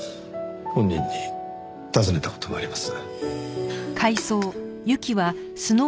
本人に尋ねた事もあります。